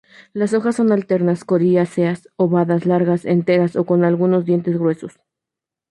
Las hojas son alternas, coriáceas, ovadas largas, enteras o con algunos dientes gruesos.